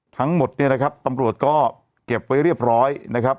ทั้งหมดเนี่ยนะครับตำรวจก็เก็บไว้เรียบร้อยนะครับ